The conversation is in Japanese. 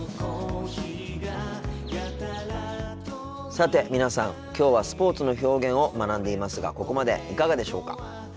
さて皆さんきょうはスポーツの表現を学んでいますがここまでいかがでしょうか。